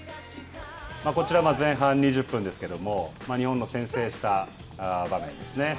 こちら、前半２０分ですけれども、日本の先制した場面ですね。